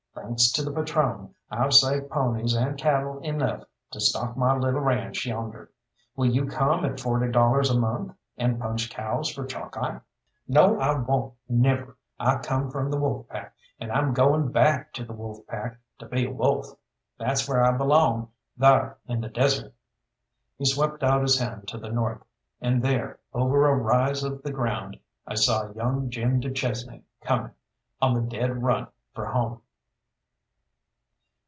Thanks to the patrone, I've saved ponies and cattle enough to stock my little ranche yonder. Will you come at forty dollars a month, and punch cows for Chalkeye?" "No, I won't, never. I come from the Wolf Pack, and I'm going back to the Wolf Pack to be a wolf. That's where I belong thar in the desert!" He swept out his hand to the north, and there, over a rise of the ground, I saw young Jim du Chesnay coming, on the dead run for home.